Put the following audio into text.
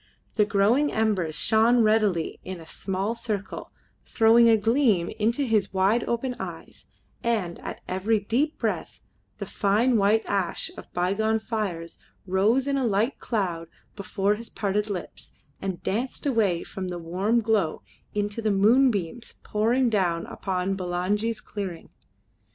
The glowing embers shone redly in a small circle, throwing a gleam into his wide open eyes, and at every deep breath the fine white ash of bygone fires rose in a light cloud before his parted lips, and danced away from the warm glow into the moonbeams pouring down upon Bulangi's clearing.